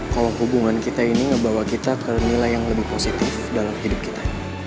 kalau hubungan kita ini ngebawa kita ke nilai yang lebih positif dalam hidup kita